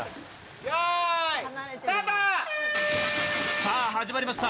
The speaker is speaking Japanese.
さあ、始まりました。